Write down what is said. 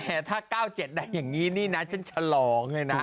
แต่ถ้า๙๗ได้อย่างนี้นี่นะฉันฉลองเลยนะ